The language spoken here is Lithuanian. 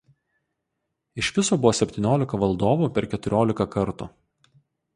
Iš viso buvo septyniolika valdovų per keturiolika kartų.